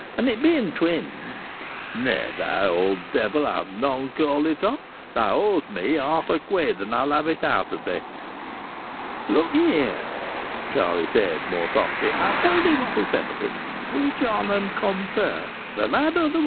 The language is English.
And it being twins " "Nay, thou old devil, I'll none call it off. Thou owes me half a quid, and I'll have it out of thee." "Look ye here," Charlie said more softly. "I'll tell thee what'll settle it. Which on 'em come first, th' lad or th'wench?"